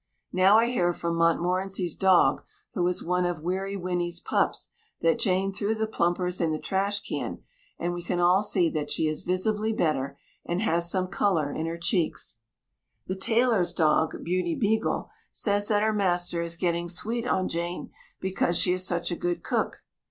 Now I hear from Montmorency's dog, who is one of Weary Winnie's pups, that Jane threw the plumpers in the trash can, and we can all see that she is visibly better, and has some colour in her cheeks. The tailor's dog, Beauty Beagle, says that her master is getting sweet on Jane, because she is such a good cook.